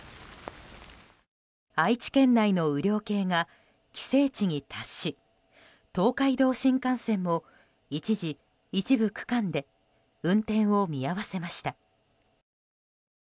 愛知県内の雨量計が規制値に達し東海道新幹線も一時、一部区間で運転を見合わせました。